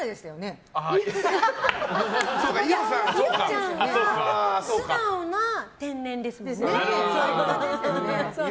松本伊代ちゃんは素直な天然ですもんね。